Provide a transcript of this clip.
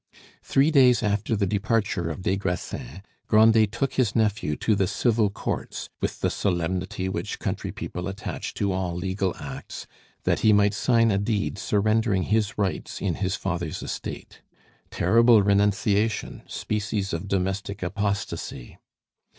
Three days after the departure of des Grassins, Grandet took his nephew to the Civil courts, with the solemnity which country people attach to all legal acts, that he might sign a deed surrendering his rights in his father's estate. Terrible renunciation! species of domestic apostasy!